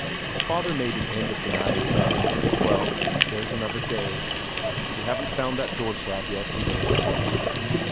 The father made an end of the matter thus: "Well, there's another day, and we haven't found that door slab yet, either."